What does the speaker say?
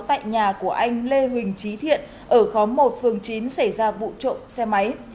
tại nhà của anh lê huỳnh trí thiện ở khóm một phường chín xảy ra vụ trộm xe máy